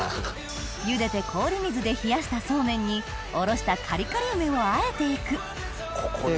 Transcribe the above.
ゆでて氷水で冷やしたそうめんにおろしたカリカリ梅をあえて行くここに。